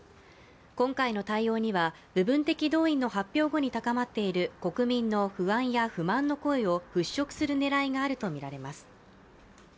今回の対応には、部分的動員の発表後に高まっている国民の不安や不満の声を払拭する狙いがあるとみられます。